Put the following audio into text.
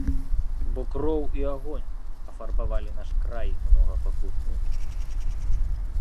Бо кроў і агонь афарбавалі наш край многапакутны.